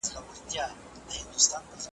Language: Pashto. دا یوه ډېره حساسه موضوع ده.